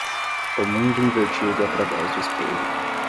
O mundo invertido através do espelho.